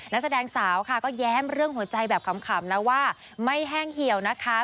นักแสดงสาวค่ะก็แย้มเรื่องหัวใจแบบขำนะว่าไม่แห้งเหี่ยวนะคะ